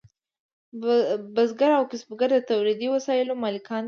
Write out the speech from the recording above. بزګر او کسبګر د تولیدي وسایلو مالکان دي.